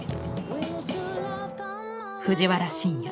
藤原新也